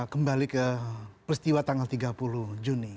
kembali ke peristiwa tanggal tiga puluh juni